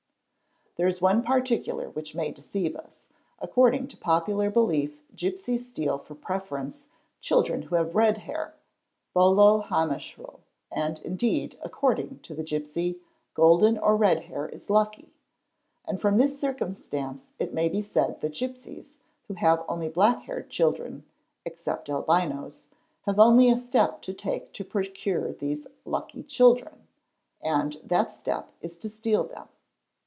) There is one particular which may deceive us; according: to popular belief gipsies steal for preference children who have red hair (bolo hammeshro) and indeed, according to the gipsy, golden or red hair is lucky. And from this circumstance it may be said that gipsies, who — have only black haired children (expect albinos), have only a step to take to procure these 'lucky children," and that step is to steal them.